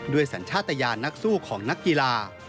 สัญชาติยานนักสู้ของนักกีฬา